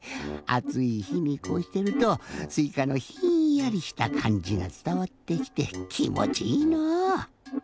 あついひにこうしてるとすいかのひんやりしたかんじがつたわってきてきもちいいなぁ！